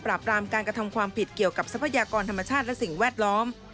ปรามการกระทำความผิดเกี่ยวกับทรัพยากรธรรมชาติและสิ่งแวดล้อม